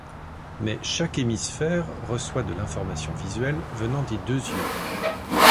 Mais chaque hémisphère reçoit de l'information visuelle venant des deux yeux.